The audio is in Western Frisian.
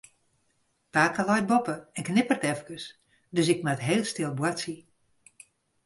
Pake leit boppe en knipperet efkes, dus ik moat heel stil boartsje.